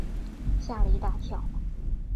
吓了一大跳